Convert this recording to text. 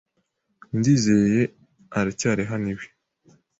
Ndizeye aracyari hano iwe